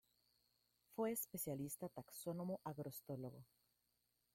Fue especialista taxónomo agrostólogo.